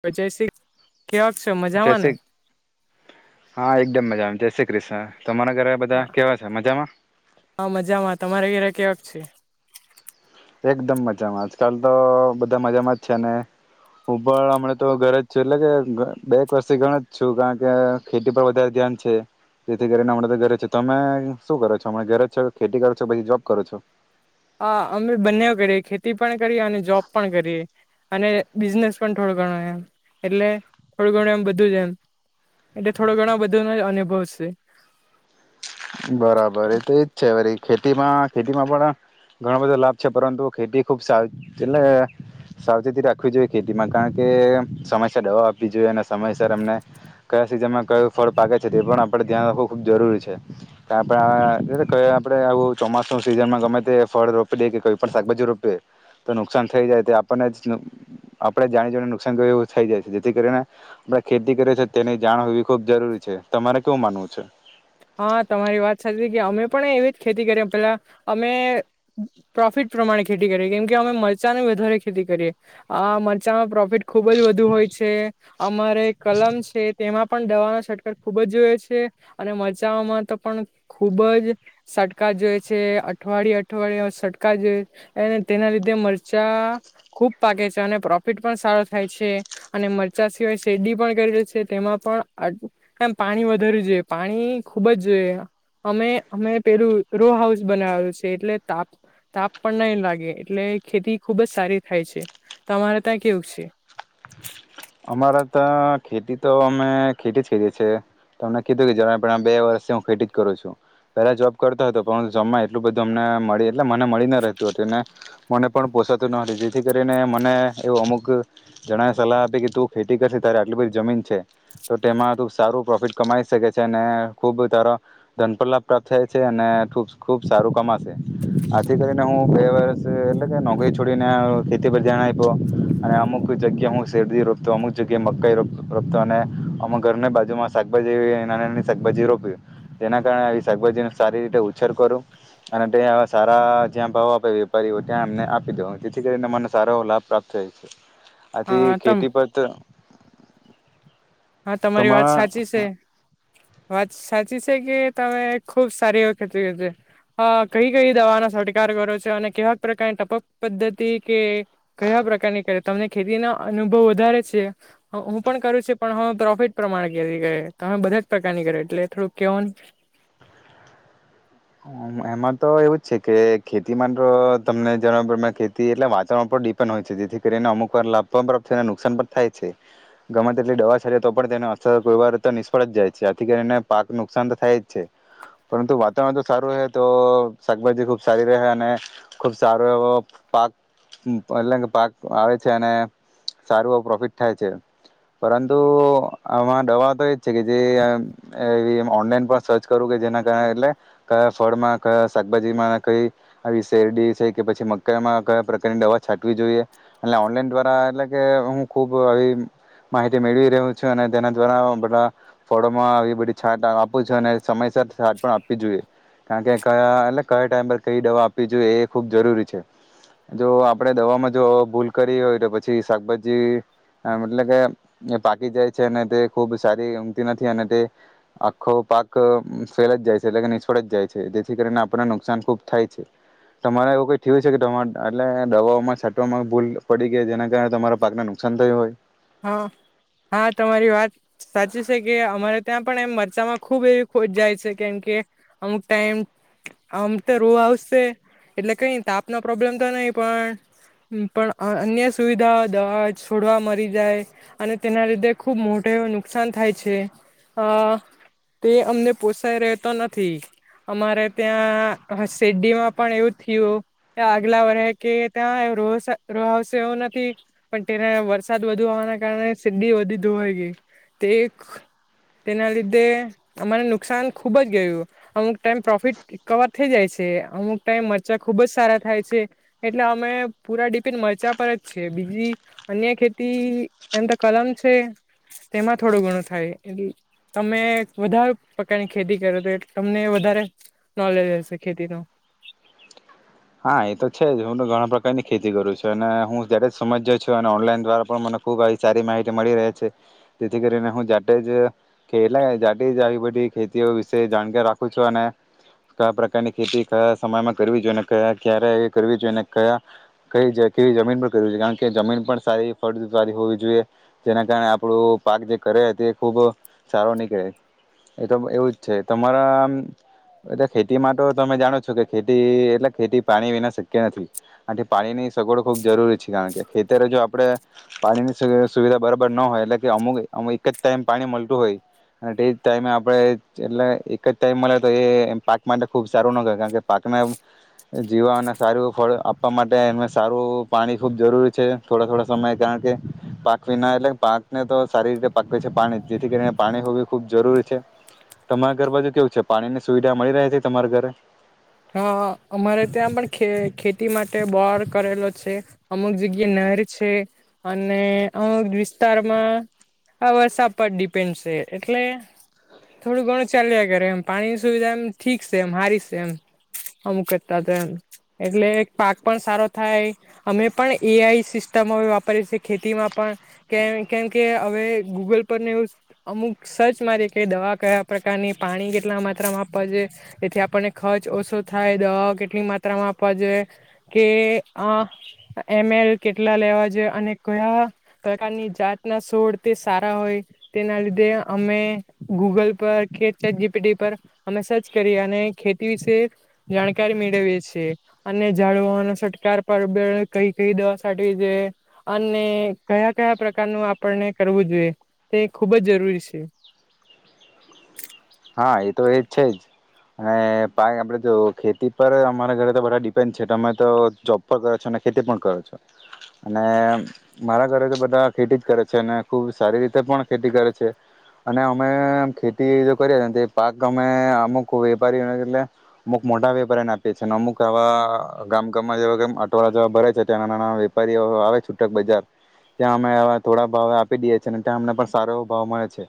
પછે એ સિક્સ - કેવા છે જય મજામાં ને? શ્રી હા એકદમ મજા જાય શ્રી ક્રિષ્ન તમારા ઘરે બધા હા કેવા છે મજામાં? હા મજામાં તમારે ઘરે કેવાક છે. એકદમ મજામાં આજકાલ તો બધા મજામાં જ છે ને હું પણ હમણા તો ઘરે જ છું એટલે કે બે એક વર્ષથી ઘણ જ છું કારણ કે ખેતી પર વધારે ધ્યાન છે જેથી કરીને હણા તો ઘરે છે તમે શું કરો છો હમ ઘરે જ છો ખેતી કરો છો કે પછી જોબ કરો છો? અ અમે બંનેઓ ઘરે છે ખે પણ કરીએ અને જોબ પણ કરીએ. અને બિઝનેસ પણ થોડો ઘણો એમ એટલે થોડું ઘણું એમ બધું જ એમ એટલે થોડો ઘણો બધું ન અનુભવ છે. બરાબર એ તો એ જ છે. ખેતીમાં ખેતીમાં પણ ઘણો બધો લાભ છે પરંતુ ખેતી ખૂબ સાવ એટલે સાવચેતી રાખવી જોઈએ ખેતીમાં કારણ કે સમયસર દવા આપવી જોઈએ અને સમયસર એમને કયા સિઝનમાં કયું ફળ પાગે છે તે પણ આપણે ધ્યાન રાખવું ખૂબ જરૂરી છે. આપે આ આપડે આવું ચોમાસ નું સિઝનમાં ગમે તે ફળ રોપી દે કે કોઈ પણ શાકભાજી રોપીએ તો નુકસાન થઈ જાય તે આપણને આપડે જાણી જઈને નુકસાન થય એવું થઈ જાય છે જેથી કરીને આપણે ખેતી કરીએ છે તેની જાણ હોવી ખુબ જરૂરી છે તમારે કેવું માનવું છે. હા તમારી વાત સાચી કે અમે પણ એવી જ ખેતી કરીએ પેલા અમે પ્રોફિટ પ્રમાણે ખેતી કરી કેમ કે અમે મરચાંની વધારે ખેતી કરીએ આ મરચામાં પ્રોફિટ ખુબ જ વધુ હોય છે. અમારે કલમ છે તેમાં પણ દવા ના છટકાર ખુબ જ જોવે છે અને મરચા ના મરચાઓમાં તો પણ ખૂબ જ સટકા જોએ છે અઠવાડિયે અઠવાડિય સટકા જોએ અને તેના લીધે મરચાં ખૂબ પાકે છે અને પ્રોફિટ પણ સારો થાય છે અને મરચા સિવાય શેરડી પણ કરી લે છે તેમાં પણ એમ પાણી વધારું જોઈએ પાણી ખુબ જ જો અમે અમે પેલું રો હાઉસ બનાવેલું છે એટલે તાપ તાપ પણ નહી લાગે એટલે ખેતી ખુબ જ સારી થાય છે તમારે ત્યાં કેવું છે. અમારા તા ખેતી તો અમે ખેતી જ કરીએ છીએ તમને કીધું કે જ બે વર્ષથી હું ખેતી જ કરું છું પહેલા જોબ કરતો હતો પરંતુ જમાં એટલું બધું અમને મળી એટલે મને મળી ન રહેતું હતું અને મને પણ પોસાતું ન હતું જેથી કરીને મને એવું અમુક જણાએ સલાહ તું ખેતી કરશે તારે આટલી બધી જમીન છે તો તેમાં તું સારું પ્રોફિટ કમાઈ શકે છે અને ખૂબ તારા ધનપલાાભ પ્રાપ્ત થાય છે અને ખૂબ સારું કમાશે આથી કરીને હું બે વર્ષ એટલે કે નોકરી છોડીને ખેતી પર ધ્યાન આપ્યો અને અમુક જગ્યા હું શેર તો અમુક જગ્યાએ મકાઈ રોપતો અને અમક ઘરની બાજુમાં શાકભાજી નાની નાની શાકભાજી રોપએ તેના કારણે આવી શાકભાજી ન સારી રીતે ઉછેર કરું અને તે સારા જ્યાં ભાવ આપે વેપારી હો ત્યાં એમને આપી દઉ જેથી કરીને મને સારો લાભ પ્રાપ્ત થાય છે. આ થી હા તમ ખેતી પર - હા તમારી વાત તમારા સાચી છે. વાત સાચી છે કે તમે ખુબ સારી ખેતી છે કઈ કઈ દવાનો છટકાર કરો છો અને કેવાક પ્રકારની ટપક પદ્ધતિ કે કયા પ્રકારની તમને ખેતી ના અનુભવ વધારે છે હું પણ કરું છું. પણ હવે પ્રોફિટ પ્રમાણે ખેતી કરીયે તોમે બધા જ પ્રકારની કર એટલે થોડુંક કેવા. એમાં તો એવું જ છે કે ખેતીમાં તો તમને જણ ખેતી એટલે વાતાવરણ ઉપર ડિપેન્ડ હોય છે જેથી કરીને અમુક વાર લાભ પણ પ્રપ્ત થને નુકસાન પણ થાય છે ગમે તેટલી દવા છડ તો પણ તેને અસર કોઈ વાર નિષ્ફળ જ જાય છે આથી કરીને પાક નુકસાન તો થાય જ છે પરંતુ ત તો સારું રહે તો શાકભાજી ખુબ સારી રહે અને ખુબ સારો એવો પાક એટલે કે પાક આવે છે અને સારું એવ પ્રોફિટ થાય છે પરંતુ આમાં દવા તો એજ છે કે જે એવી ઓનલાઈન પણ સર્ચ કરું કે જેના કારણે એટ કયા ફળમાં કયા શાકભાજીમાં કઈ આવી શેરડી છે કે પછી મકાઈમાં કયા પ્રકારની દવા છાંટવી જોઈએ એ ઓનલાઈન દ્વારા એટલે કે હું ખુબ આવી માહિતી મેળવી રહ છું અને તેના દ્વારા બધા ફળોમાં આવી બધી છાટ આપું છું અને સમયસર છાટ પણ આપ એ કારણ કે કયા એટલે કયા ટાઈમ પર કઈ દવા આપવી જોઈએ એ ખુબ જરૂરી છે જો આપડે દવાવામાં જો ભૂલ કરી હોય તો પછી શાકભાજી એટલે કે એ પાકી જાય છે અને તે ખુબ સારી ઉંઘતી નથી અને તે આખો પાક ફેલ જ જાય છે. જે કરીને નિષ્ફળ જાય છે જેથી કરીને આપણને નુકસાન ખુબ થાય છે તમારે એવું કઈ થય છે કે એટલે દવાઓમાં છટવામાં ભૂલ પડી ગઈ જેના કારણે તમારા પાકને નુકસાન થયું હોય. હા, હા તમારી વાત સાચી છે, કે અમારે ત્યાં પણ એમ મરચામાં ખુબ એવી ખોટ જાય છે, કેમ કે અમુક ટાઈમ અમ તો રો આવશે એટલે કઈ તાપનો પ્રોબ્લેમ તો નહી પણ, પણ અન્ય સુવિધા દવા છોડવા મરી અને તેના લીધે ખુબ મોટો એવ નુકસાન થાય છે, અ તે અમને પોસાય રહેતો નથી, અમારે ત્યાં શેરડીમાં પણ એવું થયું, આગલા વરસે કે ત્યાં રોહ આવશે એવું નથી પણ તેને વરસાદ વરસાદ વધુ હોવાના કારણે સીડી વધી હોય ગઈ, તે તેના લીધે અમાને નુકસાન ખુબ જ ગયું, અમુક ટાઈમ પ્રોફિટ કવર થઈ જાય છે અમુક ટાઈમ મરચા ખુબ જ સારા થાય છે, એટલે અમે પૂરા ડિપેન્ડ મરચાં પર જ છે, બીજી અન્ય ખેતી ખેતી એમ તો કલમ છે તેમાં થોડું ઘણું થાય તમે વધારે પ્રકારની ખેતી કરો તો એટલે તમને વધારે નોલેજ હશે ખેતી નું. હા એ તો છે જ હું ઘણા પ્રકારની ખેતી કરું છું અને હું જા જ સમજ્યો છું અને ઓનલાઈન દ્વારા પણ મને ખુબ સારી માહિતી મળી રહે છે, જેથી કરીને હું જાતે જ એટ જાતે જ આવી બધી ખેતીઓ વિશે જાણકાર રાખું છું અને, કયા પ્રકારની ખેતી કયા સમયમાં કરવી જોઈએ કયા ક્યારે એ કરવી જોઈએ અને કયા, કઈ કેવી જમીન પણ કરવી જોઈએ કારણ કે જમીન પણ સારી ફળદ સારી હોવી જોઈએ જેના કારણે આપણું પાક જે કરે તે ખૂબ સારો નીકળે, એ તો એવું જ છે તમારામ ખેતી માટે તમે જાણો છો કે ખેતી ખેતી પાણી વિના શક્ય નથી, આ પાણીની સગવડો ખૂબ જરૂરી છે કારણ કે ખેતરે જો આપણે, પાણીની સુવિધા બરાબર ન હોય એટલે કે અમુક એક એક જ ટાઈમ પાણી મળતું હોય અને તે જ ટાઈમે આપણે એટલે એક જ ટાઈમ મળે તો એ પાક માટે ખૂબ સારું ન કરે કારણ કે પાકને જીવાને સારું ફળ આપવા માટે એ સારું પાણી ખુબ જરૂરી છે થોડા થોડા સમય કારણ કે, પાક વિના એટલે પાકને તો સારી રીતે પાકવી છે પાણી જેથી કરીને પાણી હો ખૂબ જરૂરી છે, તમારા ઘર બાજુ કેવું છે પાણીની સુવિધા મળી રહે છે તમારા ઘરે? હા અમારે ત્યાં પણ ખેતી માટે બોર કરેલો છે, અમુક જગ્યા નહેર છે, અને અમુક વિસ્તારમાં આ વરસાદ પર ડિપેન્ડ છે, એટલે થોડું ઘણું ચાલ્યા કર એમ પાણીની સુવિધા એમ ઠીક છે એમ હારી છે એમ. અમુક કરતા તો એમ, એટલે પાક પણ સારો થાય, અમે પણ એ આઈ સિસ્ટમ હવે વાપરીએ છેએ ખેતીમાં પણ, કે કેમ કે હવે ગૂગલ પરને એવું અમુક સર્ચ મારીએ કે દવા કયા પ્રકારની પાણી કેટલા માત્રામાં આપવા છેે, એથી આપને ખત ઓછો થાય દવા કેટલી માત્રામાં આપવા જોઈએ, કે આ એમ એલ કેટલા લેવા જોઈએ અને કયા પ્રકારની જાતના સોડ તે સારા હોય તેના લીધે અમે ગૂગલ પર ખેતત જી પી ડી પર અમે સર્ચ કરી અનેે વિશે, જાણકારી મેળવીએ છે, છેએ અને જાળવનો છટકાર પરબ કઈ કઈ દવા સાટવી જોઈએ અને કયા કયા પ્રકારનું આપણને કરવું જોઈએ તે ખૂબ જ જરૂરી છે. હા એ તો એ જ છે જ, અને પાાય આપડે જો ખેતી પર અમારા ઘરે તો બધા ડિપેન્ડ છે તમે તો જોબ પર કરો છો અને ખેતી પણ કરો છો, અને મારા ઘરે તો બધા ખેતી જ કરે છે અને ખૂબ સારી રીતે પણ ખેતી કરે છે, અને અમે ખેતી કરીએ પાક અમે અમુક વેપારીઓને એટલે, અમુક મોટા વેપારીને આપીએ છીએ અને અમુક આવા ગામ ગામમાં જેવા અટવાળ જેવા ભરે છે ત્યાં ના નાના વેપારીઓ આવે છૂટક બજાર, ત્યાં અમેવા થોડા ભાવે આપી દઈએ છીએ અને ત્યાં અમને પણ સારો એવો ભાવ મળે છે.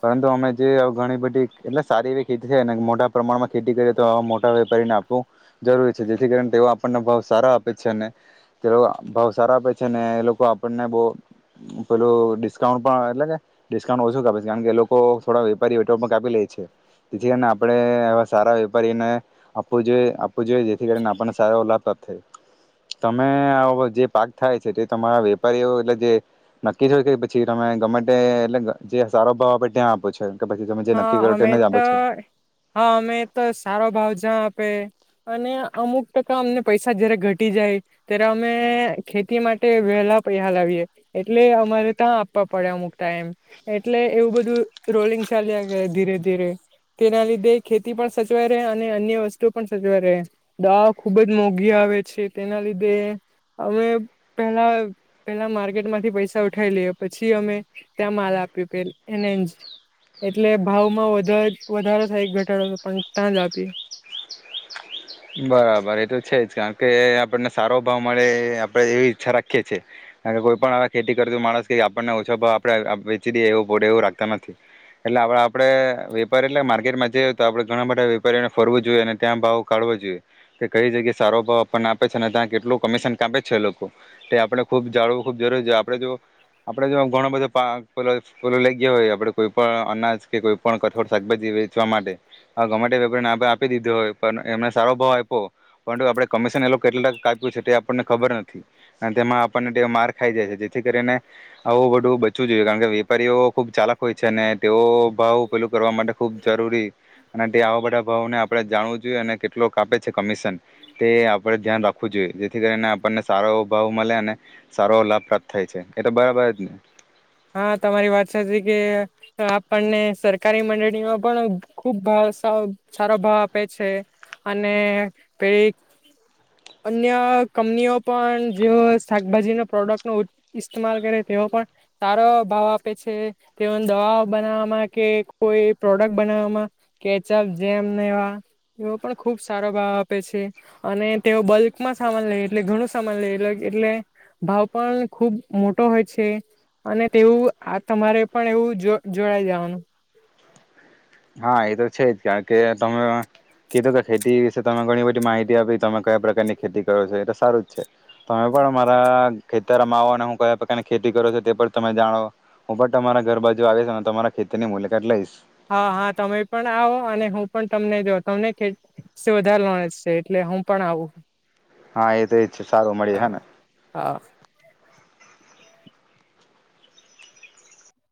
પરંતુ અમે જે ઘણી બધી એટલે સારી એવી ખેતી છેને મોટા પ્રમાણમાં ખેતી કરીએ તો આ મોટા વેપારીને આપવું, જરૂરી છે જેથી કાર તેઓ આપણને ભાવ સારા આપે છે ને, તે ભાવ સારા આપે છે ને એ લોકો આપણને બહ પેલું ડિસ્કાઉન્ટ પણ એટલે ડિસ્કાઉન્ટ ઓછુ છે કારણ કે લોકો થોડા વેપારી ી લે છે, તેથી આપડે એવા સારા વેપારીને આપવું જોઈએ. જ જેથી કરીને આપણને સારો લાભ પ્રાપ થાય. તમે આ જે પાક થાય છે તે તમારા વેપારીઓ એટલે જે, નક્કી છે કે પછી તમે ગમેન્ટ એટલે જે સારો ભાવ આપે ત્યાં આપો છો? કે પછી તમે જે હા કરો તેને અમે જ આપો તો છો હા અમે તો સારો ભાવ જ્યાં આપે, અને અમુક ટકા અમને પૈસા જયારે ઘટી જાય, ત્યારે અમે ખેતી માટે વેલા પૈસા લાવીએ, એટલે અમારે ત્યા આપવા પડે અમુક ટાઈમ, એટલે એવું બધું રોલિંગ ચાલ્યા ધીરે ધીરે, તેના લીધે ખેતી પણ સચવાઈ રહે અને અન્ય વસ્તુ પણ સચવાઈ રહે, દવા ખુબ જ મોઘી આવે છે તેના લીધે અમે પેલા પેલા માર્કેટમાંથી પૈસા ઉઠાઈ લઈએ, પછી અમે ત્યાં માલ આપ્યો પ એને જ. એટલે ભાવમાં વધ વધારો થાય એક ઘટાડો પણ તાજ આપિએ. બરાબર એ તો છે જ કારણ કે આપણને સારો ભાવ મળે આપડે એવી ઈચ્છા રાખીએ છીએ, કારણ કે કોઈ પણ આવા ખેતી કરતો માણસ કે આપણને ઓછો ભાવ આપડે વેચી દએ એવું પડે એવું રાખતા નથી, એટલે આપ આપડે વેપારી એટલે માર્કેટમાં જ તો આપણે ઘણા બધા વેપારીઓને ફરવું જોઈએ અને ત્યાં ભાવ કાઢવો જોઈએ, કે કઈ જગ્યાએ સારો ભાવ આપણને આપે છે અનેને ત્યાં કેટલું કમિશન કાપે છે લોકો, એ આપણે ખૂબ જાળવું ખૂબ જરૂરી છે આપડે જો આપડે જો, ઘણો બધોલો લઈ ગયા હોય આપડે કોઈ પણ અનાજ કે કોઈ પણ કઠોર શાકભાજી વેચવા માટે, આ ગમેટે વેપારીને આપ આપી દીધો હોય. પણ એમને સારો ભાવ આપ્યો. પરંતુ આપડણે કમિશન એ કેટલા કાપ્યું છે તે આપણને ખબર નથી, અને તેમાં આપણને માર્ક ખાઈ જાય છે જેથી કરીને. આવું બધું બચવું જોઈએ કારણ કે વેપારીઓ ખુબ ચાલક હોય છે અને તેઓ ભાવ પેલું કરવા માટે ખુબ જરૂરી, અને તે આવા બધા ભાવોને આપણે જાણવું કેટલો કાપે છે કમિશન, તે આપણે ધ્યાન રાખવું જોઈએ જેથી કરીને આપણને સારો એવો ભાવ મળે અને. સારો લાભ પ્રાપ્ત થાય છે એ તો બરાબર જ ને. હા તમારી વાત સાચી કે, આપણને સરકારી મંડળીમાં પણ ખુબ ભાવ સારો ભાવ આપે છે, અને પેલી અન્ય કંપનીઓ પણ જેઓ શાકભાજી ન પ્રોડક્ટ નો ઇસ્માલ કરે તેઓ પણ સારો ભાવ આપે છે, તેઓ દવા બનાવવામાં કે કોઈ પ્રોડક્ટ બનાવવામાં, કેચઅપ જેમ એવા એવો પણ ખુબ સારો ભાવ આપે છે, અને તેઓ બલ્કમાં સામાન લે એટલે ઘણું સામાન લે એટલે, ભાવ પણ ખૂબ મોટો હોય છે. અને તેવું આ તમારે પણ એવું જો જોડાઈ જેવાનું. હા એ તો છે જ કારણ કે તમે કીધું તો ખેટી તમે ઘણી બધી માહિતી આપી તમે કયા પ્રકારની ખેતી કરો છો એ તો સારું જ છે. તમે પણ મારા ખેતરમાં આવો અને હું કયા પ્રકારની ખેતી કરો છું તે પણ તમે જાણો, હું પણ તમારા ઘર બાાજુ આવીશ અને તમારા ખેતીની મુલાકાત લઈશ. હા હા તમે પણ આવો અને હું પણ તમને જો તમને વધારે માણ છે એટલે હું પણ આવું. હા, એ તો એજ સારું મળે હે હા ને હા